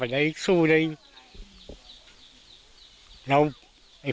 เข้าไปในสู้ดี